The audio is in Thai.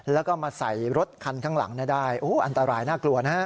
แล้วก็มาใส่รถคันข้างหลังได้อันตรายน่ากลัวนะฮะ